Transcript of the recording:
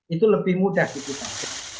itu lebih mudah dikitar